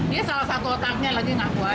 dia salah satu otaknya lagi ngaku aja